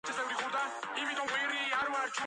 მოქმედი ჩემპიონია „ბაზელი“.